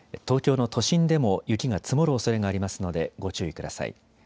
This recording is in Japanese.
東京の都心でも雪が積もるおそれがありますのでご注意ください。